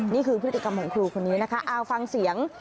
นี่คือพฤติกรรมของครูคนนี้นะคะเอาฟังเสียง